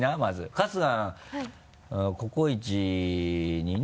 春日「ココイチ」にね。